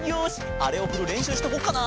あれをふるれんしゅうしとこっかな。